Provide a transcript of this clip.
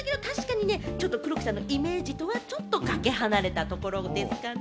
でも、黒木さんのイメージとはちょっとかけ離れたところですかね。